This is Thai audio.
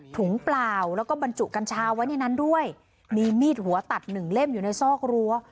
เปล่าแล้วก็บรรจุกัญชาไว้ในนั้นด้วยมีมีดหัวตัดหนึ่งเล่มอยู่ในซอกรั้ว